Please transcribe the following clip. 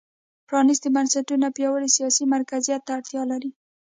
پرانېستي بنسټونه پیاوړي سیاسي مرکزیت ته اړتیا لري.